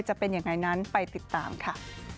จะเป็นยังไงนั้นไปติดตามค่ะ